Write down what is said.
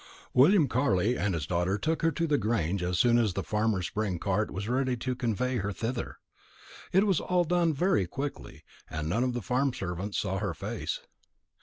William Carley and his daughter took her to the Grange as soon as the farmer's spring cart was ready to convey her thither. It was all done very quickly, and none of the farm servants saw her face.